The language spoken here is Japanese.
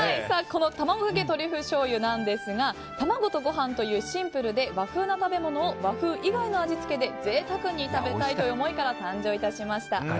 卵かけトリュフしょうゆですが卵とご飯というシンプルで和風な食べ物を和風以外の味付けで贅沢に食べたいという思いから誕生いたしました。